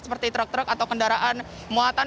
seperti truk truk atau kendaraan muatan